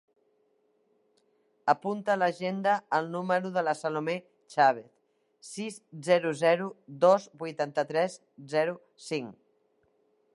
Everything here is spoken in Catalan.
Apunta a l'agenda el número de la Salomé Chavez: sis, zero, zero, dos, vuitanta-tres, zero, cinc.